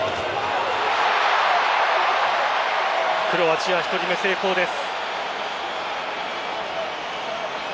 クロアチア１人目成功です。